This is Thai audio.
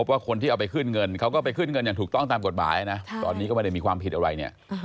ว่าคนที่เอาไปขึ้นเงินเขาก็ไปขึ้นเงินอย่างถูกต้องตามกฎหมายนะตอนนี้ก็ไม่ได้มีความผิดอะไรเนี่ย